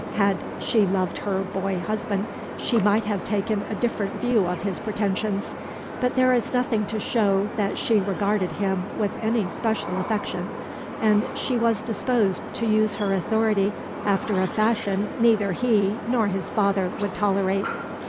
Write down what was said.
Had she loved her boy husband she might have taken a different view of his pretensions; but there is nothing to show that she regarded him with any special affection, and she was disposed to use her authority after a fashion neither he nor his father would tolerate.